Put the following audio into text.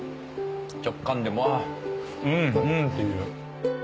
直感で「あっうんうん」っていう。